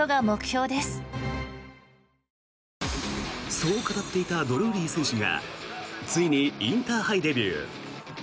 そう語っていたドルーリー選手がついにインターハイデビュー。